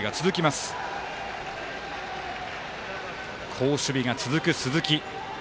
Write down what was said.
好守備が続く鈴木。